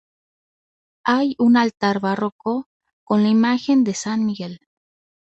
Hay un altar barroco con la imagen de San Miguel.